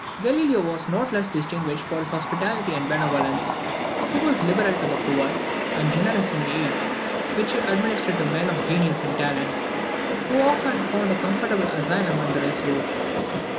Galileo was not less distinguished for his hospitality and benevolence; he was liberal to the poor, and generous in the aid which he administered to men of genius and talent, who often found a comfortable asylum under his roof.